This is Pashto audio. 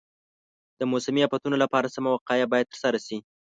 د موسمي افتونو لپاره سمه وقایه باید ترسره شي.